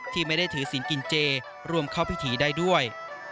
ที่ไม่ได้ถือศิลปกินเจร่วมเข้าพิธีได้ด้วย